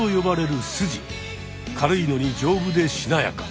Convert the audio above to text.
軽いのにじょうぶでしなやか！